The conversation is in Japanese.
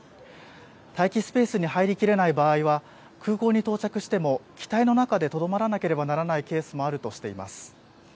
待機スペースに入りきれない場合は、空港に到着しても、機体の中でとどまらなければならないケースもあるとしています。